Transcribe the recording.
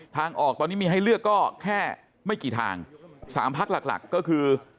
ทางออกตอนนี้มีให้เลือกก็แค่ไม่กี่ทาง๓ภาคหลักก็คือ